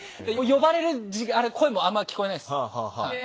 呼ばれる声もあんまり聞こえないです。